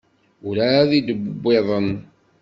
Werɛad i d-wwiḍen.